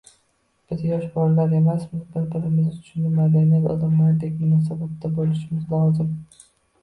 Biz yosh bolalar emasmiz, bir-birimizni tushunib, madaniyatli odamlardek munosabatda bo`lishimiz lozim